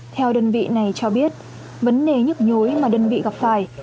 theo đơn vị này cho biết vấn đề nhức nhối mà đơn vị gặp phải